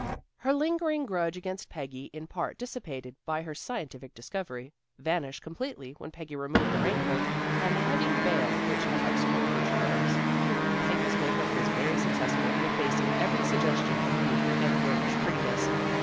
Her lingering grudge against Peggy in part dissipated by her scientific discovery, vanished completely when Peggy removed the rain coat and the heavy veil which had obscured her charms. Peggy's make up was very successful in effacing every suggestion of youth and girlish prettiness.